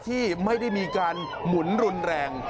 ที่ไม่ได้มีการหมุนรุนแรง